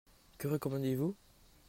Que recommandez-vous ?